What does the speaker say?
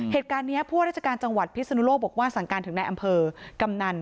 เหตุการณ์นี้ผู้ว่าราชการจังหวัดพิศนุโลกบอกว่าสั่งการถึงในอำเภอกำนัน